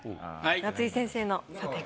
夏井先生の査定